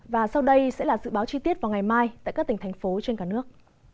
và sau đây sẽ là dự báo chi tiết vào ngày mai tại các tỉnh thành phố trên cả nước